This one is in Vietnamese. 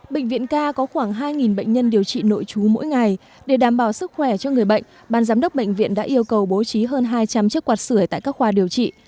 bệnh viện k có khoảng hai bệnh nhân điều trị nội chú mỗi ngày để đảm bảo sức khỏe cho người bệnh ban giám đốc bệnh viện đã yêu cầu bố trí hơn hai trăm linh chiếc quạt sửa tại các khoa điều trị